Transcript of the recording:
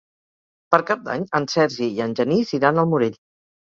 Per Cap d'Any en Sergi i en Genís iran al Morell.